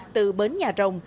từ bến nhà rồng